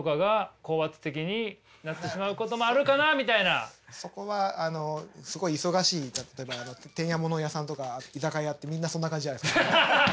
あと何かそこはすごい忙しい例えば店屋物屋さんとか居酒屋ってみんなそんな感じじゃないですか。